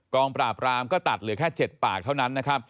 กองปราบรามก็ตัดเหลือแค่๗ปากเท่านั้น